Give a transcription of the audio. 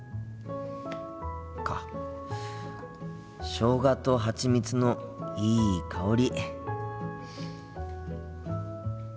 しょうがとハチミツのいい香り。